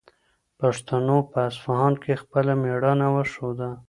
پښتنو په اصفهان کې خپله مېړانه وښوده.